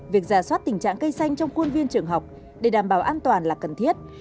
việc ra xót tình trạng cây xanh trong quân viên trường học để đảm bảo an toàn là cần thiết